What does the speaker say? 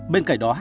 bên cạnh đó